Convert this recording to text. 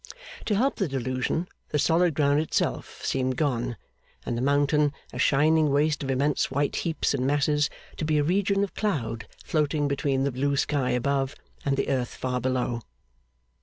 To help the delusion, the solid ground itself seemed gone, and the mountain, a shining waste of immense white heaps and masses, to be a region of cloud floating between the blue sky above and the earth far below.